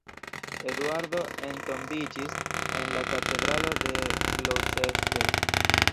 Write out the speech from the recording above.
Eduardo entombiĝis en la katedralo de Gloucester.